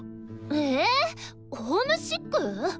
えホームシック？